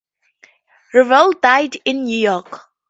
Revel died in New York.